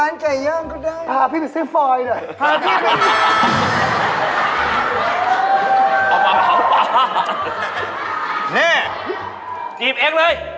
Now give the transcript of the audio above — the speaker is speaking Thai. ไม่ได้ติด